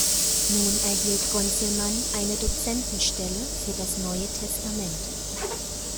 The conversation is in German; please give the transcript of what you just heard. Nun erhielt Conzelmann eine Dozentenstelle für das Neue Testament.